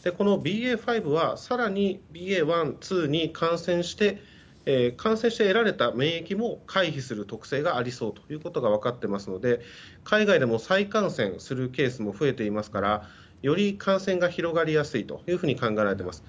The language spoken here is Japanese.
このＢＡ．５は更に、ＢＡ．１やＢＡ．２に感染して得られた免疫も回避する特性がありそうと分かっていますので海外でも再感染するケースが増えていますからより感染が広がりやすいと考えられています。